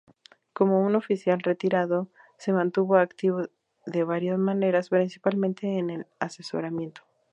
Como un oficial retirado, se mantuvo activo de varias maneras, principalmente en el asesoramiento.